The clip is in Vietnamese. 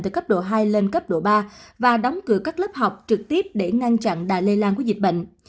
từ cấp độ hai lên cấp độ ba và đóng cửa các lớp học trực tiếp để ngăn chặn đà lây lan của dịch bệnh